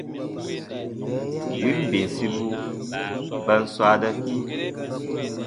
Win bensibu ba n swaa dakii.